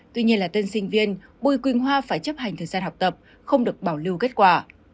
tuy nhiên là tân sinh viên bùi quỳnh hoa phải chấp hành thời gian học tập không được bảo lưu kết quả